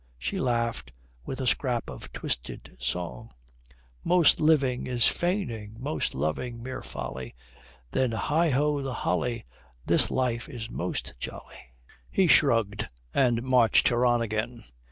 She laughed, with a scrap of twisted song: "Most living is feigning. Most loving mere folly, Then heigho the holly, This life is most jolly." He shrugged and marched her on again.